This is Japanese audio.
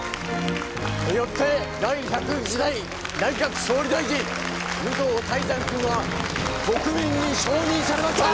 よって第１０１代内閣総理大臣武藤泰山くんは国民に承認されました！